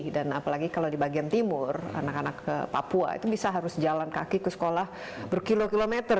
dan apalagi kalau di bagian timur anak anak ke papua itu bisa harus jalan kaki ke sekolah berkilo kilometer